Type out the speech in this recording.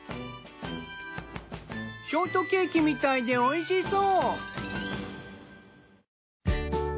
ショートケーキみたいでおいしそう。